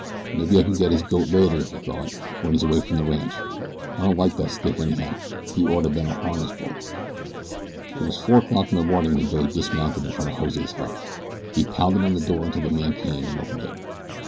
"Maybe I can get his goat later," he thought, "when he's away from the ranch. I don't like that stiff, anyhow. He orter been a harness bull." It was four o'clock in the morning when Billy dismounted in front of Jose's hut. He pounded on the door until the man came and opened it.